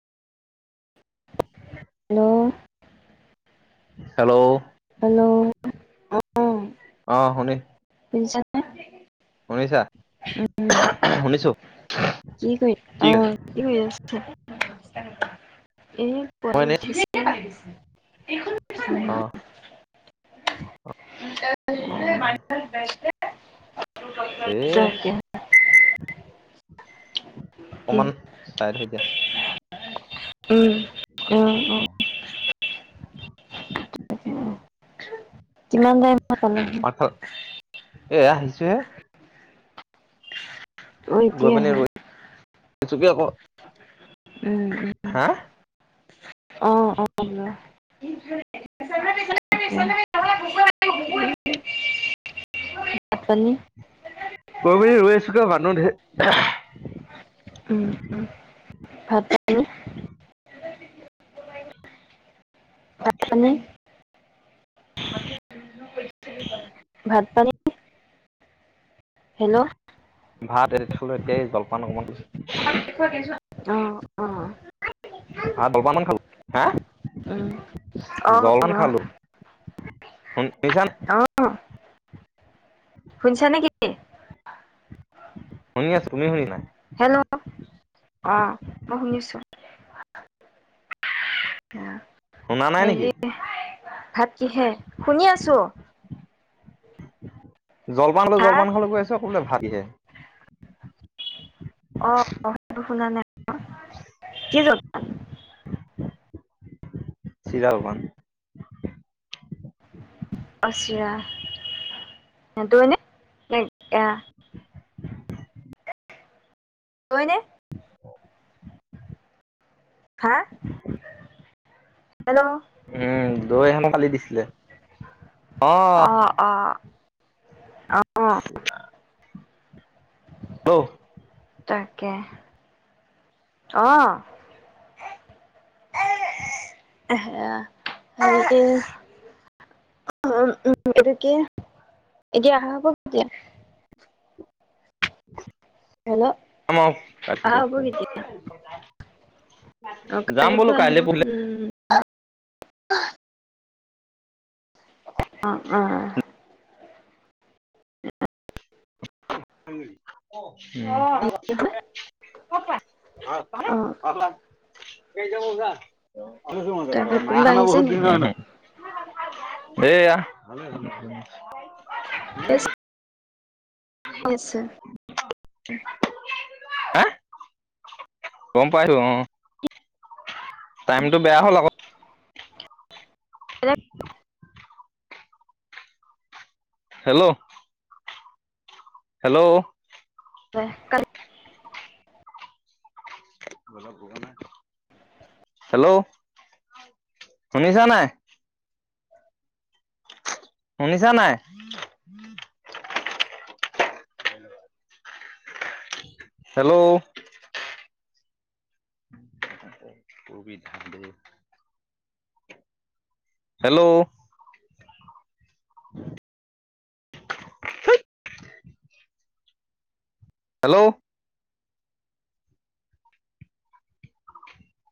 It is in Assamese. হেল্ল'। হেল্ল' হেল্ল' অ অ শুনি শুনিছা নে শুনিছা শুনিছো ঠিক আছে ন [inaudible] এই মই টোপনি এনে উঠিছে এইখন [inaudible] অ অ অ [inaudible] এ কতে হ [unintelligible] অকমান চাইত হৈ দিয়া উম উম উম কিমান টাইম পালেহি যে অ এতিয়াহে চুকীয়া ক উম উম অ অ [inaudible] ল গ [inaudible] [unintelligible] ভাত পানী কৰবিলে ৰৈ আছো মানুহ ধেৰ উম উম ভাত আৰু প নাই ভাত পানী হেল্ল' ভাত এৰি খালোঁ এতিয়াই জলপান অকণমান অ অ হ জলপান খালো হা উম, জল পান অ', খালো পছ অ', শুনিছা নে কি শুনি আছো তুমি শুনি নাই হেল্ল' অ মই শুনিছো হ শুনা নাই নেকি? ভাত কিহে? শুনি আছো। জলপান খালোঁ ভাত জলপান খালোঁ কৰি আছোঁ, আকৌ বোলে ভাত কিহেৰে? অ, সেইটো শুনা নাই। কি জলপান? চিৰা জলপান। অ চিৰা। দৈ নে? নে এৰা? দৈ নে? [inaudible] হা? হেল্ল' উম দৈ অলপ কালি দিছিলে। অ, অ। অ', [unintelligible] হেল তাকে অ। উ এইটো কি এতিয়া অহা হব কেতিয়া? হেল্ল' যাম আৰু। অহা হ'ব কেতিয়া? অ', যাম কাইলৈতো বোলো আহিব কাইলে বোলে। উম, অ উ অ কৰপৰা? অ অ', [unintelligible] কেইটা বজাত? আছো তাকে [unintelligible] মাই কোনোবা খানা আহিছে বহুত নি? দিন হয় ন সেইয়া হৈছে। হা গম পাইছো। অ। টাইমটো বেয়া হ'ল আকৌ। এ হেল্ল' হেল্ল' [unintelligible] হেল্ল' শুনিছা নাই? শুনিছা নাই? হেল্ল' [unintelligible] হেল্ল' ধুইত হেল্ল'